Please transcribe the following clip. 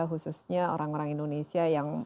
khususnya orang orang indonesia yang